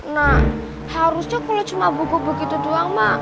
nah harusnya kalau cuma buku begitu doang mak